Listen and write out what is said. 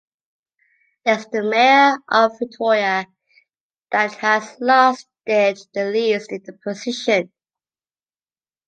Is the mayor of Vitoria that has lasted the least in the position.